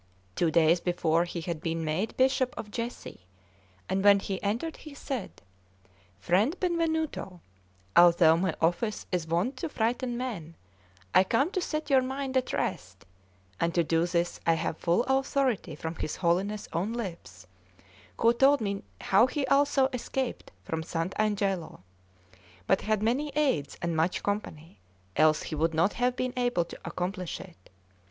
Two days before he had been made Bishop of Jesi; and when he entered he said: "Friend Benvenuto, although my office is wont to frighten men, I come to set your mind at rest, and to do this I have full authority from his holiness' own lips, who told me how he also escaped from Sant' Angelo, but had many aids and much company, else he would not have been able to accomplish it.